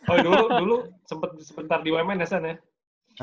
oh dulu dulu sempet sempet di umn ya san ya